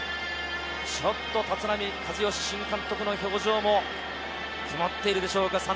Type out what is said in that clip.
立浪新監督の表情も曇っているでしょうか？